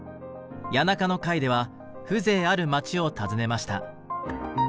谷中の回では風情ある街を訪ねました。